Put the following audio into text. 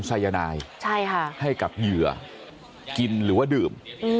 สายนายให้กับเหยื่อกินหรือว่าดื่ม